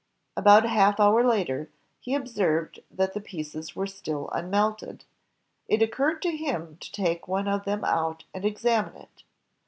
About a half hour later, he ob served that the pieces were still unmelted. It oc curred to him to take one of them out and examine it.